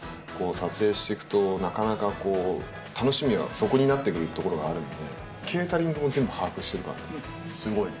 撮影していくと、なかなかこう、楽しみがそこになってくるところがあるので、ケータリングも全部、すごいね。